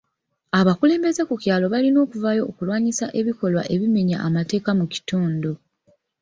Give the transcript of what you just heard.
Abakulembeze ku kyalo balina okuvaayo okulwanyisa ebikolwa ebimenya amateeka mu kitundu.